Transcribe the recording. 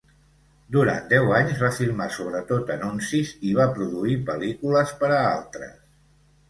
Durant deu anys va filmar sobretot anuncis i va produir pel·lícules per a altres.